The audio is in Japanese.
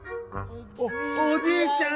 おおじいちゃん